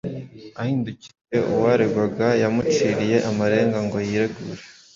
Ahindukiriye uwaregwaga, yamuciriye amarenga ngo yiregure.